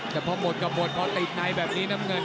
แต่พอหมดก็หมดพอติดในแบบนี้น้ำเงิน